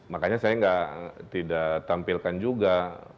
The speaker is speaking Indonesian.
makanya saya tidak tampilkan juga